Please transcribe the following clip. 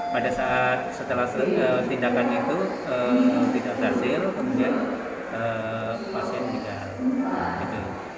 pada saat setelah selesai tindakan itu tidak berhasil kemudian pasien meninggal